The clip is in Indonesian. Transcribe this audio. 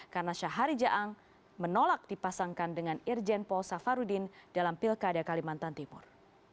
karena syahari jaang menolak dipasangkan dengan irjen paul safarudin dalam pilkada kalimantan timur